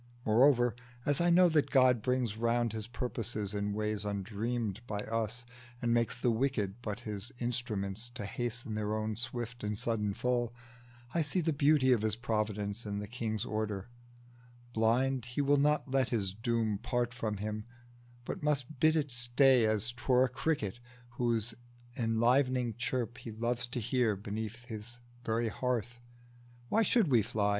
Moreover, as I know that God brings round His purposes in ways undreamed by us, And makes the wicked but his instruments To hasten on their swift and sudden fall, I see the beauty of his providence In the King's order: blind, he will not let His doom part from him, but must bid it stay As 't were a cricket, whose enlivening chirp He loved to hear beneath his very hearth. Why should we fly?